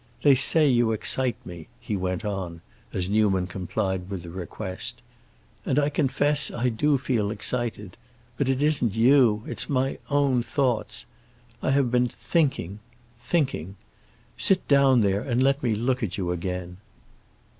"They say you excite me," he went on, as Newman complied with this request, "and I confess I do feel excited. But it isn't you—it's my own thoughts. I have been thinking—thinking. Sit down there and let me look at you again."